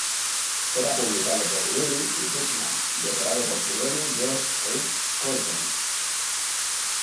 Era publicado por Wiley y Putnam, y operado por su dueño George H. Colton.